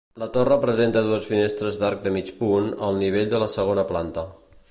La torre presenta dues finestres d'arc de mig punt, al nivell de la segona planta.